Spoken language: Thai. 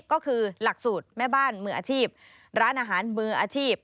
ก็คือหลักสูตรแม่บ้านมืออาชีพร้านอาหารมืออาชีพ